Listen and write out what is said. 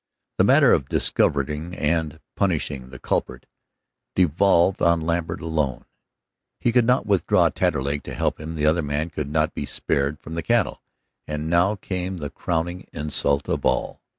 The matter of discovering and punishing the culprit devolved on Lambert alone. He could not withdraw Taterleg to help him; the other man could not be spared from the cattle. And now came the crowning insult of all.